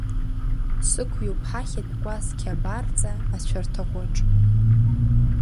Сықәиоуп ҳахьатә кәасқьа абарҵа ацәарҭаӷәы аҿы.